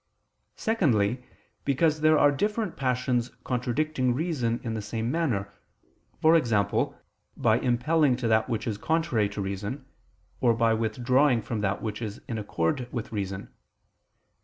Secondly, because there are different passions contradicting reason in the same manner, e.g. by impelling to that which is contrary to reason, or by withdrawing from that which is in accord with reason.